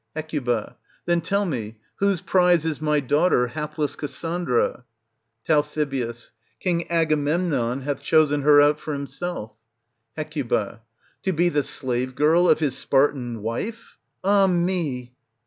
Hec. Then tell me, whose prize is my daughter, hapless Cassandra? Tal. King Agamemnon hath chosen her out for himselfl Hec To be the slave girl of his Spartan wife ? Ah me